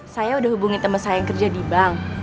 saya udah hubungi teman saya yang kerja di bank